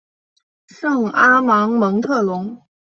圣阿芒蒙特龙。